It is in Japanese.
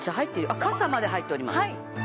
あっ傘まで入っております。